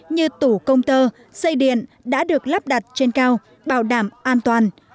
như tủ công tơ xây điện đã được lắp đặt trên cao bảo đảm an toàn